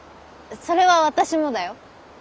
それは私もだよ。